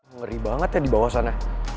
ngeri banget ya dibawah sana